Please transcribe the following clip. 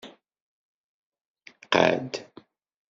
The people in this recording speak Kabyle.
Qad.